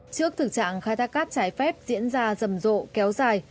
trước thực trạng khai thác cát trái phép diễn ra rầm rộ kéo dài